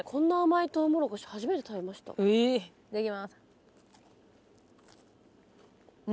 いただきます。